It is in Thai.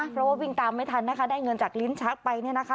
เพราะว่าวิ่งตามไม่ทันนะคะได้เงินจากลิ้นชักไปเนี่ยนะคะ